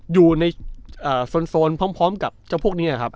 อยู่ในโซนพร้อมกับเจ้าพวกนี้ครับ